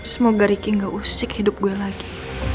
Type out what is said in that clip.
semoga riki gak usik hidup gue lagi